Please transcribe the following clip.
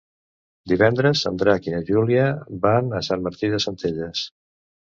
Divendres en Drac i na Júlia van a Sant Martí de Centelles.